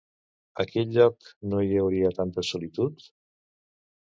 A quin lloc no hi hauria tanta solitud?